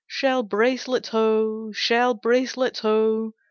"Shell bracelets ho! Shell bracelets ho!"